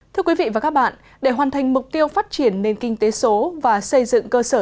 thưa quý vị và các bạn để hoàn thành mục tiêu phát triển nền kinh tế số và xây dựng cơ sở